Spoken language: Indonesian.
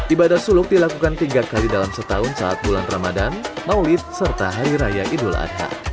ibadah suluk dilakukan tiga kali dalam setahun saat bulan ramadan maulid serta hari raya idul adha